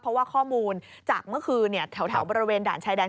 เพราะว่าข้อมูลจากเมื่อคืนแถวบริเวณด่านชายแดน